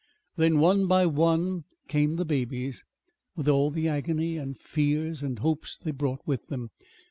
"Then, one by one, came the babies, with all the agony and fears and hopes they brought with them.